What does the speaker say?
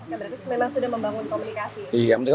berarti memang sudah membangun komunikasi